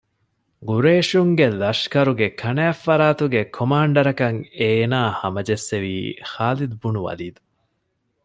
ޤުރައިޝުންގެ ލަޝްކަރުގެ ކަނާތްފަރާތުގެ ކޮމާންޑަރަކަށް އޭނާ ހަމަޖެއްސެވީ ޚާލިދުބުނުލް ވަލީދު